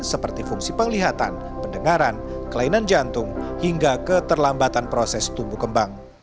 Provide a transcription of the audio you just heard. seperti fungsi penglihatan pendengaran kelainan jantung hingga keterlambatan proses tumbuh kembang